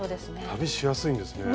旅しやすいんですね。